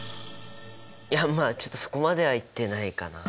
いやまあちょっとそこまではいってないかなあ。